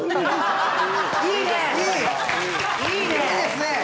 いいね！